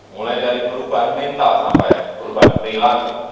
mulai dari perubahan mental sampai perubahan perilaku